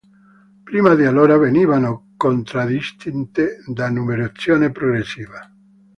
Prima di allora venivano contraddistinte da numerazione progressiva.